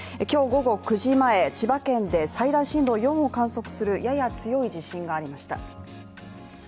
今日午後９時前、千葉県で最大震度４を観測するやや強い地震がありました。